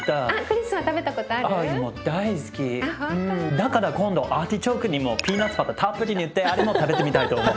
だから今度アーティチョークにもピーナツバターたっぷり塗ってあれも食べてみたいと思う。